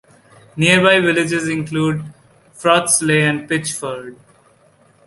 Nearby villages include Frodesley and Pitchford.